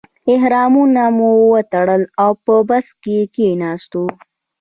احرامونه مو وتړل او په بس کې کیناستو.